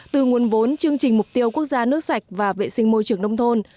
từ nguồn vốn chương trình mục tiêu quốc gia nước sạch và vệ sinh môi trường nông thôn